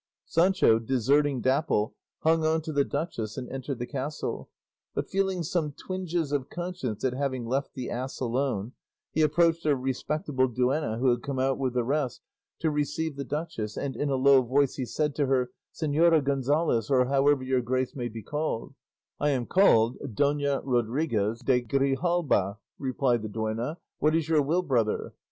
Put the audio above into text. Sancho, deserting Dapple, hung on to the duchess and entered the castle, but feeling some twinges of conscience at having left the ass alone, he approached a respectable duenna who had come out with the rest to receive the duchess, and in a low voice he said to her, "Señora Gonzalez, or however your grace may be called—" "I am called Dona Rodriguez de Grijalba," replied the duenna; "what is your will, brother?"